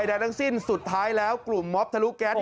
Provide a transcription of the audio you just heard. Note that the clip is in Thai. ใดทั้งสิ้นสุดท้ายแล้วกลุ่มมอบทะลุแก๊ส